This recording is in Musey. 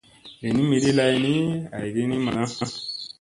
Li ni miɗi lay ni aygi ni maŋ lona.